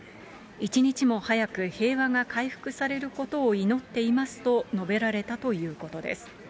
一日も早く平和が回復されることを祈っていますと述べられたということです。